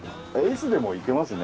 Ｓでもいけますね。